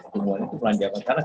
tumbuhan itu belanja masyarakat